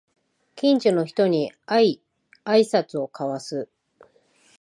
近所の人に会いあいさつを交わす